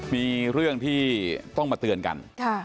มีเรื่องที่ต้องมาเตือนกัน